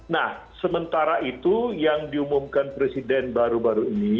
nah sementara itu yang diumumkan presiden baru baru ini